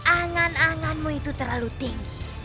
angan anganmu itu terlalu tinggi